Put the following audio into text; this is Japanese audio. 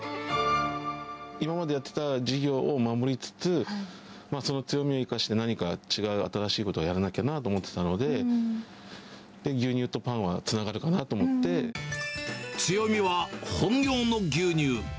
今までやってた事業も守りつつ、その強みを生かして、何か違う新しいことをやらなきゃなぁと思ってたので、で、牛乳と強みは、本業の牛乳。